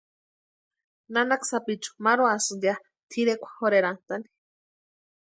Nanaka sapichu marhuasïnti ya tʼirekwa jorherhantani.